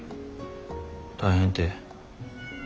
大変て？